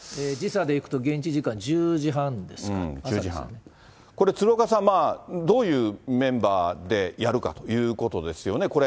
時差でいくと、現地時間１０時半ですか、これ、鶴岡さん、どういうメンバーでやるかということですよね。